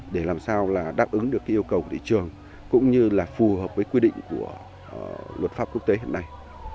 để làm sao là đáp ứng được yêu cầu của thị trường cũng như là phù hợp với quy định của luật pháp quốc tế hiện nay